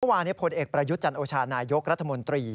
เมื่อวานผลเอกประยุทธ์จันทร์โอชานายกรัฐมนตรี